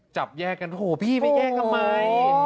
จับแยกกันโหพี่ไปแยกทำไม